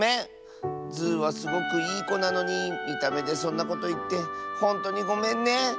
ズーはすごくいいこなのにみためでそんなこといってほんとにごめんね！